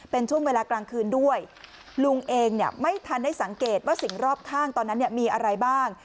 เป็นช่วงเวลากลางคืนด้วยลุงเองเนี่ยไม่ทันได้สังเกตว่าสิ่งรอบข้างตอนนั้นเนี่ยมีอะไรบ้าง